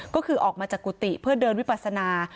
ก็คือออกมาจากกุฏิเพื่อเดินวิปัสนา